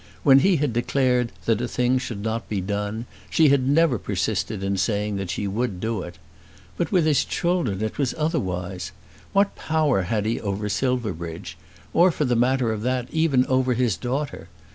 When he had declared that a thing should not be done, she had never persisted in saying that she would do it. But with his children it was otherwise. What power had he over Silverbridge, or for the matter of that, even over his daughter?